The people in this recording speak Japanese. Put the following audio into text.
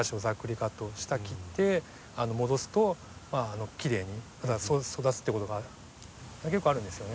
下切って戻すときれいに育つっていうことが結構あるんですよね。